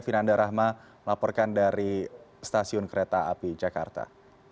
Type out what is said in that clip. vinanda rahma melaporkan dari stasiun kereta api jakarta